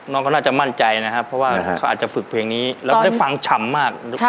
น้องก็น่าจะมั่นใจนะครับเพราะว่าเขาอาจจะฝึกเพลงนี้แล้วได้ฟังชำมากหรือเปล่า